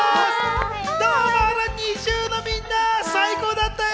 ＮｉｚｉＵのみんな、最高だったよ！